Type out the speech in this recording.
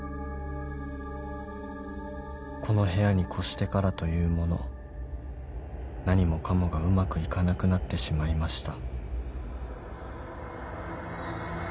［この部屋に越してからというもの何もかもがうまくいかなくなってしまいました］